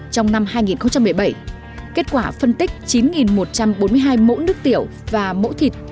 trong năm hai nghìn một mươi bảy kết quả phân tích chín một trăm bốn mươi hai mẫu nước tiểu và mẫu thịt